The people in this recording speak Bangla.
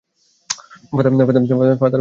ফাদার হাসছে কেন?